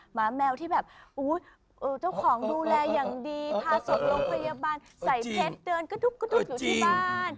หมาแมวที่เจ้าของดูแลอย่างดีพาศพลงพยาบาลใส่เพชรเดินกระดูกอยู่ที่บ้าน